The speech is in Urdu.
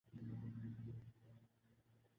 بیک وقت نماز ادا کر سکیں گے